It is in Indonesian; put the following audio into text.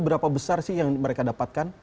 berapa besar sih yang mereka dapatkan